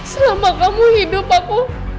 selama kamu hidup aku